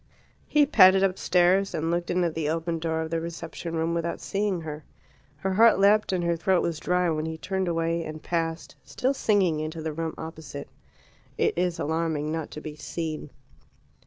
He padded upstairs, and looked in at the open door of the reception room without seeing her. Her heart leapt and her throat was dry when he turned away and passed, still singing, into the room opposite. It is alarming not to be seen.